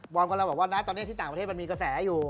กำลังบอกว่านะตอนนี้ที่ต่างประเทศมันมีกระแสอยู่